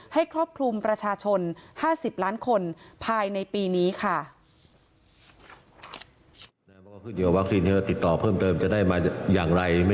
ครอบคลุมประชาชน๕๐ล้านคนภายในปีนี้ค่ะ